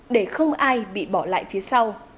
để không ai bị bỏ lại phía sau